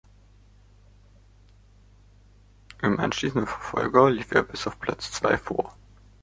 Im anschließenden Verfolger lief er bis auf Platz zwei vor.